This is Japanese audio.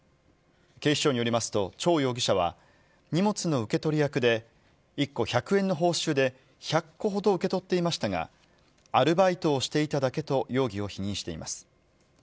警視庁によりますと、張容疑者は、荷物の受け取り役で、１個１００円の報酬で、１００個ほど受け取っていましたが、アルバイトをしていただけと容疑を否認しています。